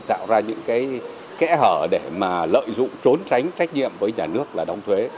tạo ra những kẽ hở để lợi dụng trốn tránh trách nhiệm với nhà nước là đóng thuế